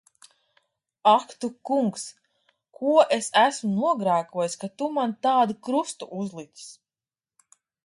Ak tu Kungs! Ko es esmu nogrēkojusi, ka tu man tādu krustu uzlicis!